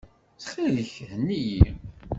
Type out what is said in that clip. Ttxil-k, henni-iyi.